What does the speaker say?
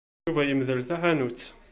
Yuba yemdel taḥanut.